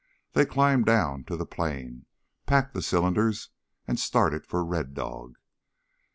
They climbed down to the plain, packed the cylinders and started for Red Dog.